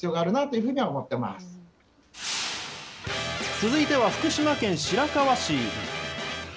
続いては福島県白河市。